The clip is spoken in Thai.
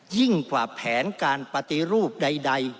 ยิ่งกว่าแผนการปฏิรูปใด